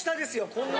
こんな。